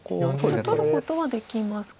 これ取ることはできますか？